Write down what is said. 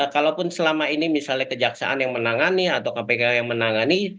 kalaupun selama ini misalnya kejaksaan yang menangani atau kpk yang menangani